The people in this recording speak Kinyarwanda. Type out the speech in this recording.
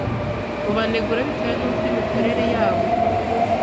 mubanegura bitewe n’uko imikorere yabo